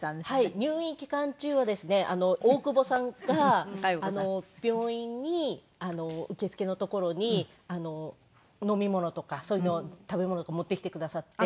入院期間中はですね大久保さんが病院に受付の所に飲み物とかそういうのを食べ物とか持ってきてくださって。